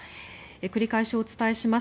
繰り返しお伝えします。